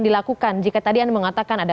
dilakukan jika tadi anda mengatakan ada